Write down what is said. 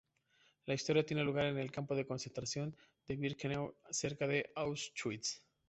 La historia tiene lugar en el campo de concentración de Birkenau cerca de Auschwitz.